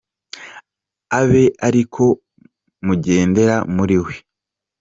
Abe ari ko mugendera muri we